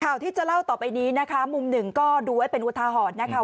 ข่าวที่จะเล่าต่อไปนี้นะคะมุมหนึ่งก็ดูไว้เป็นอุทาหรณ์นะคะ